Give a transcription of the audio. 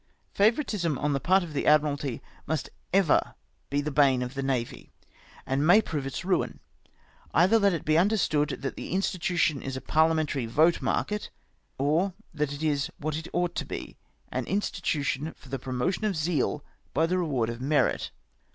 Favouritism on the part of the Admiralty must ever be the bane of the Nav}', and may prove its ruin. Either let it be understood that the mstitution is a parhamentary vote market, or that it is what it ought to be — an institution for the promotion of zeal by the reward of merit.